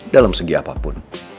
dalam segi apapun